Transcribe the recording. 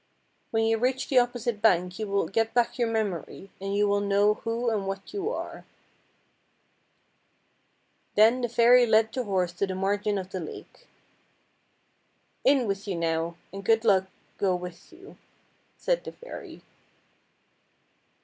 When you reach the opposite PRINCESS AND DWARF 107 bank you will get back your memory, and you will know who and what you are." Then the fairy led the horse to the margin of the lake. " In with you now, and good luck go with you," said the fairy.